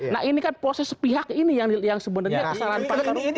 nah ini kan proses pihak ini yang sebenarnya kesalahan pakar umum